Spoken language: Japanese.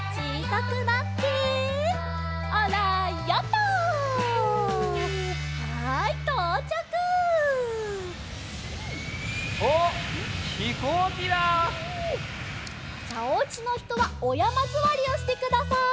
さあおうちのひとはおやまずわりをしてください。